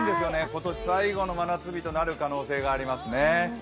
今年最後の真夏日となる可能性がありますね。